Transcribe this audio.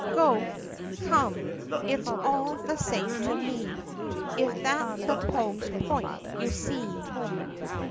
"Go," "come" — it 's all the same to me If that the poem's point you see.